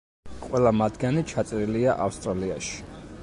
ყველა მათგანი ჩაწერილია ავსტრალიაში.